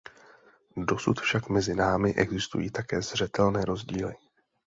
Dosud však mezi námi existují také zřetelné rozdíly.